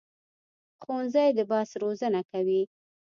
ښوونځی د بحث روزنه کوي